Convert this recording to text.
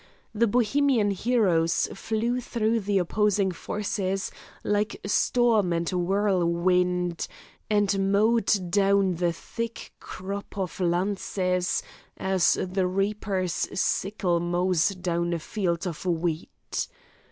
The Bohemian heroes flew through the opposing forces like storm and whirlwind, and mowed down the thick crop of lances, as the reaper's sickle mows down a field of wheat.